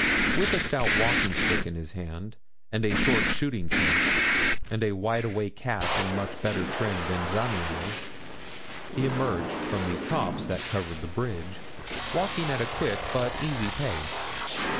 With a stout walking stick in his hand, and a short shooting coat, and a wide awake hat in much better trim than Zamiel's, he emerged from the copse that covered the bridge, walking at a quick but easy pace.